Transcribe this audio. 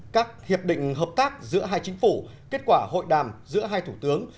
các hiệp định hợp tác giữa hai chính phủ kết quả hội đàm giữa hai thủ tướng